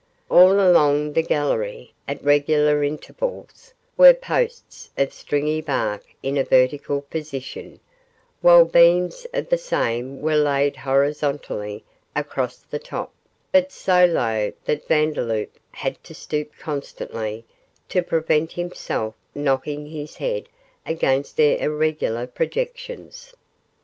All along the gallery, at regular intervals, were posts of stringy bark in a vertical position, while beams of the same were laid horizontally across the top, but so low that Vandeloup had to stoop constantly to prevent himself knocking his head against their irregular projections.